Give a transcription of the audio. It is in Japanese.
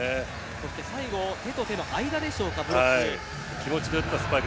そして最後手と手の間でしょうかブロック。